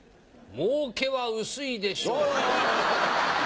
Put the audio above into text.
もうけは薄いでしょう。